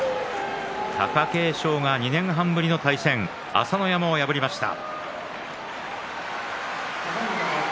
貴景勝が２年半ぶりの対戦朝乃山を破りました。